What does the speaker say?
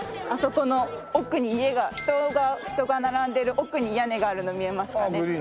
あそこの奥に家が人が並んでる奥に屋根があるの見えますかね？